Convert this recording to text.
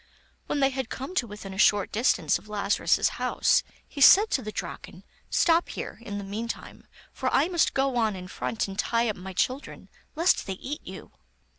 When they had come to within a short; distance of Lazarus's house, he said to the Draken: 'Stop here, in the meantime, for I must go on in front and tie up my children, lest they eat you.